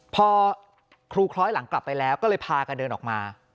พอครูคล้อยหลังกลับไปแล้วก็เลยพากันเดินออกมา